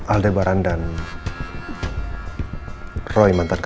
ada hubungan apa antara